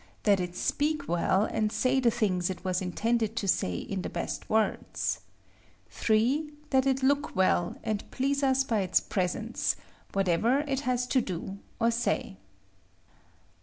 That it speak well, and say the things it was intended to say in the best words. 3. That it look well, and please us by its presence, whatever it has to do or say.